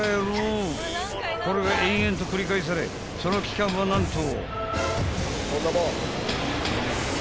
［これが延々と繰り返されその期間は何と］